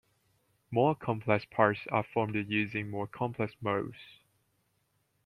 More complex parts are formed using more complex moulds.